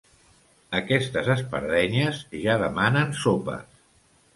Aquestes espardenyes ja demanen sopes.